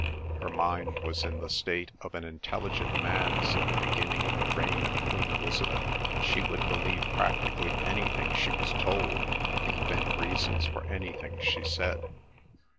Her mind was in the state of an intelligent man's in the beginning of the reign of Queen Elizabeth; she would believe practically anything she was told, invent reasons for anything she said.